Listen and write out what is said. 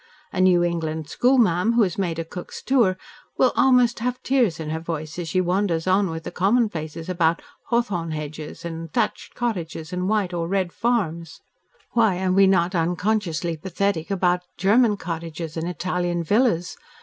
A New England schoolma'am, who has made a Cook's tour, will almost have tears in her voice as she wanders on with her commonplaces about hawthorn hedges and thatched cottages and white or red farms. Why are we not unconsciously pathetic about German cottages and Italian villas?